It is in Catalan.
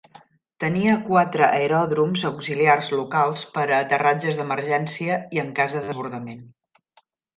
Tenia quatre aeròdroms auxiliars locals per a aterratges d'emergència i en cas de desbordament.